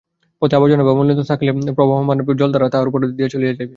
পথে আবর্জনা বা মলিনতা থাকিলে প্রবহমান জলধারা তাহার উপর দিয়া চলিয়া যাইবে।